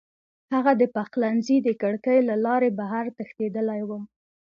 هغه د پخلنځي د کړکۍ له لارې بهر تښتېدلی و